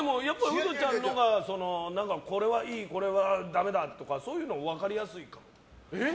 ウドちゃんのほうがこれはいい、これはダメだとかそういうの分かりやすいから。